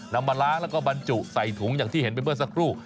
นำมาล้างแล้วก็บรรจุใส่ถุงอย่างที่เห็นไปเมื่อสักครู่